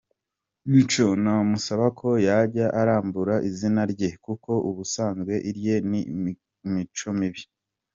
Mico namusaba ko yajya arambura izina rye, kuko ubusanzwe irye ni Micomibi.